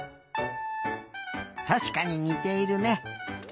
たしかににているね。